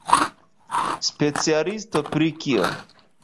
Specialisto pri kio?